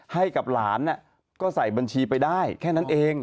ให้กับหลานก็ใส่บัญชีไปได้แค่นั้นเอง